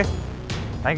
thank you mbak